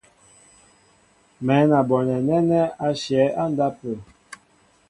Mɛ̌n a bonɛ nɛ́nɛ́ á shyɛ̌ á ndápə̂.